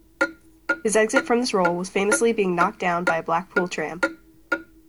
His exit from this role was famously being knocked down by a Blackpool tram.